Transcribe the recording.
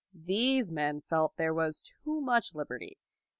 These men felt that there was too much liberty.